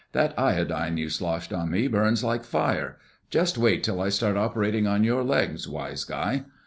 "That iodine you sloshed on me burns like fire. Just wait till I start operating on your legs, wise guy!"